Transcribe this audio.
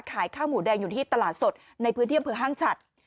ขายข้าวหมูแดงอยู่ที่ตลาดสดในพื้นที่อำเภอห้างฉัด